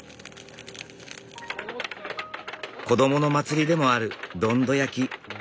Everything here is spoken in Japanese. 子どもの祭りでもあるどんど焼き。